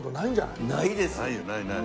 ないですね。